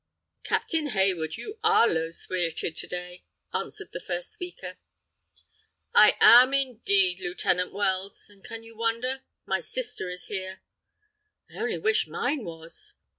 "Captain Hayward, you are low spirited to day," answered the first speaker. "I am, indeed, Lieutenant Wells. And can you wonder? My sister is here!" "I only wish mine was!"